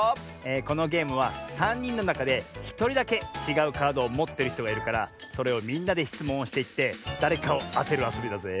このゲームはさんにんのなかでひとりだけちがうカードをもってるひとがいるからそれをみんなでしつもんをしていってだれかをあてるあそびだぜ。